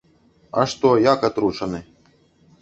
А што, як атручаны?